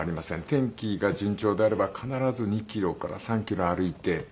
天気が順調であれば必ず２キロから３キロ歩いております。